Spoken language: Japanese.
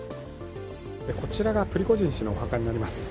こちらがプリゴジン氏のお墓になります。